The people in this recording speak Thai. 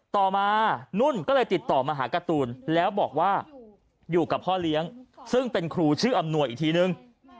ต่อมานุ่นก็เลยติดต่อมาหาการ์ตูนแล้วบอกว่าอยู่กับพ่อเลี้ยงซึ่งเป็นครูชื่ออำนวยอีกทีนึง